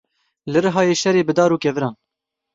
Li Rihayê şerê bi dar û keviran.